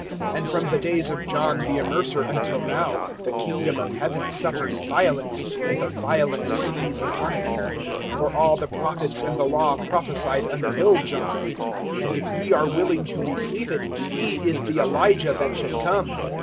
(12)And from the days of John the Immerser until now, the kingdom of heaven suffers violence, and the violent seize upon it. (13)For all the prophets and the law prophesied until John. (14)And if ye are willing to receive it, he is the Elijah that should come.